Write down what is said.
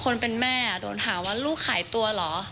คนเป็นแม่โดนหาว่าลูกหายตัวเหรอ